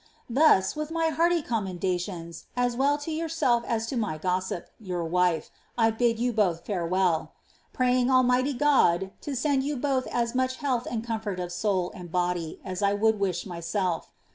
" Thus, with my hearty commendations, as well to yourself as to my gossip. your wife, I bid you both farewell. Praying Almighty Got! to send you both as much health and comfort of soul and body, as I would wish myself.